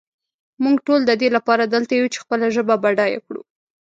مونږ ټول ددې لپاره دلته یو چې خپله ژبه بډایه کړو.